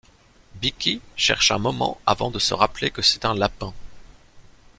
Beaky cherche un moment avant de se rappeler que c'est un lapin.